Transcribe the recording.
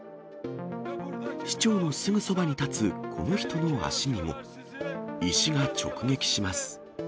市長のすぐそばに立つこの人の足にも、石が直撃します。